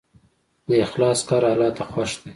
د اخلاص کار الله ته خوښ دی.